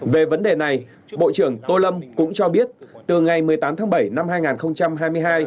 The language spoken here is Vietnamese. về vấn đề này bộ trưởng tô lâm cũng cho biết từ ngày một mươi tám tháng bảy năm hai nghìn hai mươi hai